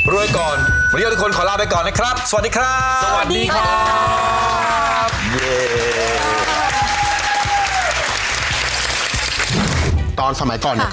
รวยก่อน